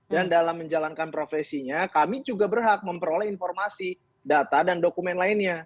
dan dalam menjalankan profesinya kami juga berhak memperoleh informasi data dan dokumen